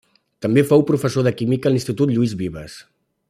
També fou professor de química a l'Institut Lluís Vives.